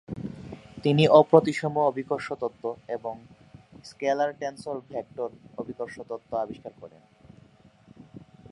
তিনি অপ্রতিসম অভিকর্ষ তত্ত্ব ও স্কেলার-টেন্সর-ভেক্টর অভিকর্ষ তত্ত্ব আবিষ্কার করেন।